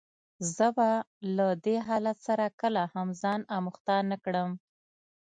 زه به له دې حالت سره کله هم ځان آموخته نه کړم.